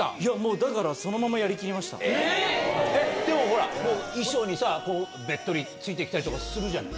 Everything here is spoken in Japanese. だから、そのままやりきりまでもほら、衣装にさ、べっとりついてきたりとかするじゃない？